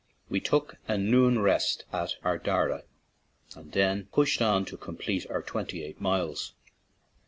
We took a noon rest at Ardara and then push ed on to complete our twenty eight miles.